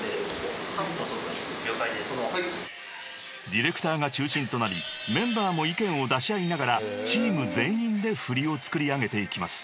［ディレクターが中心となりメンバーも意見を出し合いながらチーム全員で振りをつくり上げていきます］